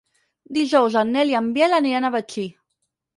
Dijous en Nel i en Biel aniran a Betxí.